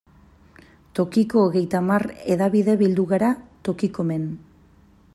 Tokiko hogeita hamar hedabide bildu gara Tokikomen.